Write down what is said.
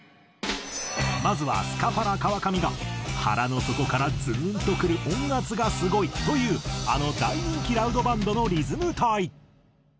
まずはスカパラ川上が「腹の底からズーンと来る音圧がすごい！！」と言うあの大人気ラウドバンドのリズム隊。